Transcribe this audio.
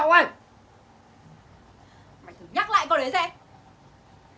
mày thử nhắc lại con đấy xem